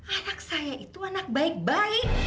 anak saya itu anak baik baik